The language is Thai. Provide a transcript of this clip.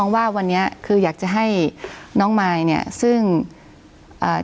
ว่าวันเนี้ยคืออยากจะให้น้องไมนี่ซึ่งอ่า